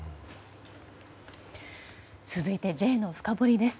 続いてＪのフカボリです。